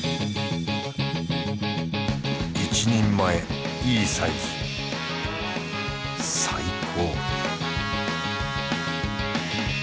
一人前いいサイズ最高！